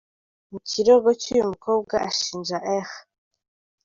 Mu kirego cy’uyu mukobwa ashinja R.